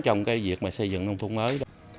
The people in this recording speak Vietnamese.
trong cái việc mà xây dựng nông thôn mới